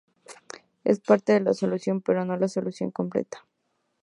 Es parte de la solución, pero no la solución completa.